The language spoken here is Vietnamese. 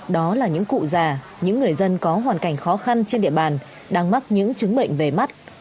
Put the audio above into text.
đó là những cụ già những người dân có hoàn cảnh khó khăn trên địa bàn đang mắc những chứng bệnh về mắt